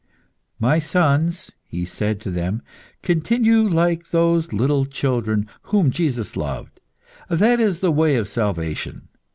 "My sons," he said to them, "continue like those little children whom Jesus loved. That is the way of salvation.